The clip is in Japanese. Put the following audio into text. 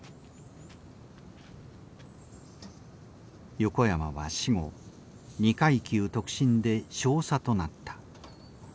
横山は死後２階級特進で少佐となった。